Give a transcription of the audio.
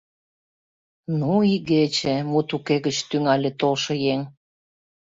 — Ну, игече, — мут уке гыч тӱҥале толшо еҥ.